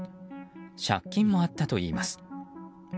借金もあったといいます。